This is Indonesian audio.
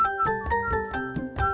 ada langit keluar